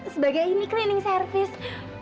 sebagai ini cleaning service